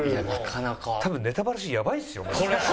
多分ネタバラシやばいですよマジで。